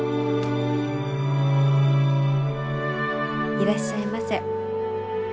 いらっしゃいませ。